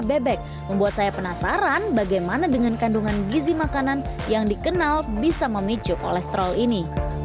dan membuat saya penasaran bagaimana dengan kandungan gizi makanan yang dikenal bisa memicu kolesterol ini